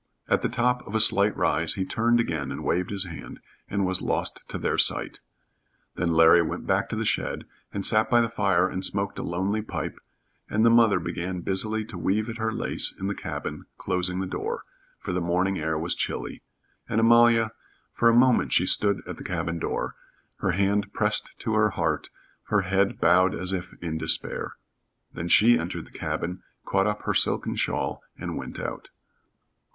At the top of a slight rise he turned again and waved his hand, and was lost to their sight. Then Larry went back to the shed and sat by the fire and smoked a lonely pipe, and the mother began busily to weave at her lace in the cabin, closing the door, for the morning air was chilly, and Amalia for a moment she stood at the cabin door, her hand pressed to her heart, her head bowed as if in despair. Then she entered the cabin, caught up her silken shawl, and went out.